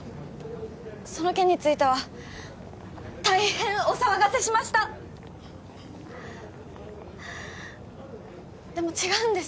その件については大変お騒がせしましたでも違うんです